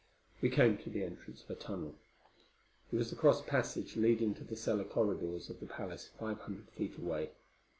We came to the entrance of a tunnel. It was the cross passage leading to the cellar corridors of the palace five hundred feet away.